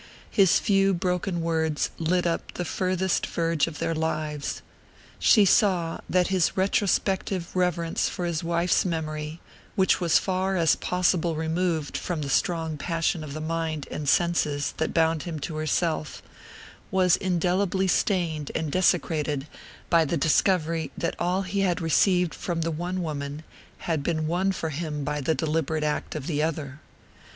His few broken words lit up the farthest verge of their lives. She saw that his retrospective reverence for his wife's memory, which was far as possible removed from the strong passion of the mind and senses that bound him to herself, was indelibly stained and desecrated by the discovery that all he had received from the one woman had been won for him by the deliberate act of the other.